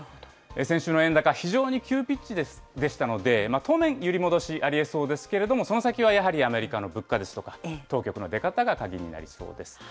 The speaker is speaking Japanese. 先週の円高、非常に急ピッチでしたので、当面、揺り戻しありえそうですけれども、その先はやはりアメリカの物価ですとか、当局の出方が鍵になりそうです。